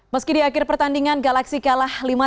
meski di akhir pertandingan galaxy kalah lima